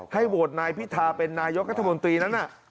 โหวตนายพิธาเป็นนายกรัฐมนตรีนั้นน่ะ